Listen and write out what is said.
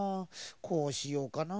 こうしようかな？